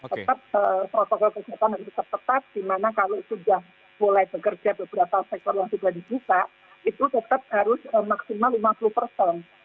tetap protokol kesehatan harus tetap di mana kalau sudah mulai bekerja beberapa sektor yang sudah dibuka itu tetap harus maksimal lima puluh persen